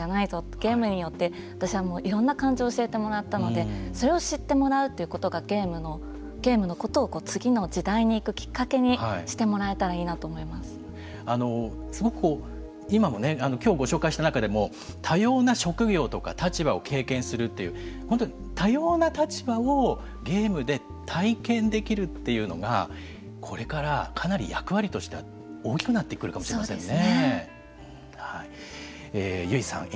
ゲームによって私はいろんな感情を教えてもらったのでそれを知ってもらうということがゲームのことを次の時代に行くきっかけにすごく、今もね今日ご紹介した中でも多様な職業とか立場を経験するという本当に多様な立場をゲームで体験できるというのがこれから、かなり役割としては大きくなってくるかもそうですね。